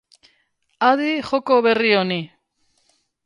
Adi joko berri honi!